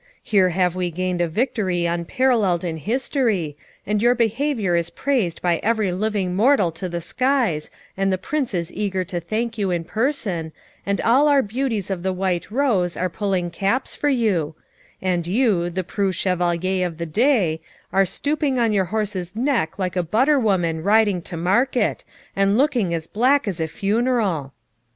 Here have we gained a victory unparalleled in history, and your behaviour is praised by every living mortal to the skies, and the Prince is eager to thank you in person, and all our beauties of the White Rose are pulling caps for you; and you, the preux chevalier of the day, are stooping on your horse's neck like a butter woman riding to market, and looking as black as a funeral!'